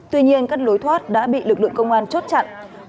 tuy nhiên các lối thoát đã bị lực lượng công an chốt chặn